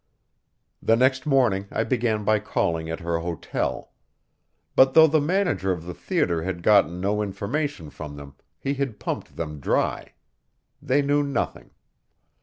The next morning I began by calling at her hotel. But though the manager of the theater had gotten no information from them, he had pumped them dry. They knew nothing.